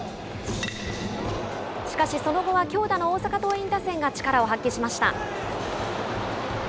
しかし、その後は強打の大阪桐蔭打線が力を発揮しました。